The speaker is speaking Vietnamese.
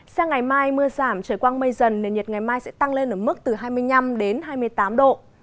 sang ngày mai mưa giảm trời quang mây dần nền nhiệt ngày mai sẽ tăng lên ở mức từ hai mươi năm hai mươi tám độ